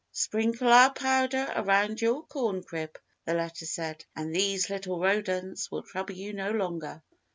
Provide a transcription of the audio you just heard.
"Sprinkle our powder around your corn crib," the letter said, "and these little rodents will trouble you no longer."